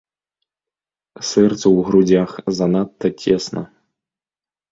Сэрцу ў грудзях занадта цесна.